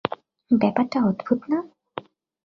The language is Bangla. ব্যাপারটা অদ্ভুত না?